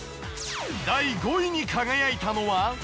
第５位に輝いたのは。